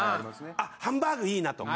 あハンバーグいいなとか。